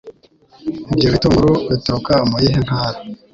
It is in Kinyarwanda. Ibyo bitunguru Bituruka muyihe ntara